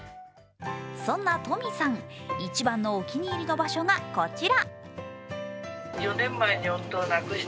そんな、とみさん一番のお気に入りの場所がこちら。